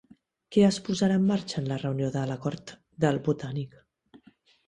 Què es posarà en marxa en la reunió de l'Acord del Botànic?